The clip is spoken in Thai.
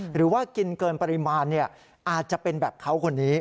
หรือว่ากินเกินปริมาณอาจจะเป็นแบบเขาคนนี้